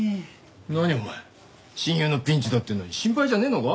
何お前親友のピンチだっていうのに心配じゃねえのか？